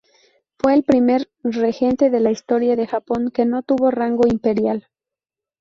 Fue el primer regente de la historia de Japón que no tuvo rango imperial.